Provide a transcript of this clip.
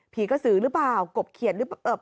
กระสือหรือเปล่ากบเขียนหรือเปล่า